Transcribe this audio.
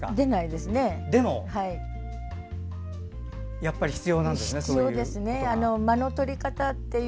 でも、やっぱり必要なんですね